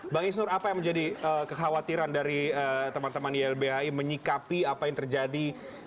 bang isnur apa yang menjadi kekhawatiran dari teman teman ylbhi menyikapi apa yang terjadi